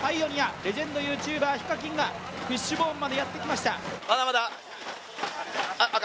レジェンドＹｏｕＴｕｂｅｒ・ＨＩＫＡＫＩＮがフィッシュボーンまでやってきました。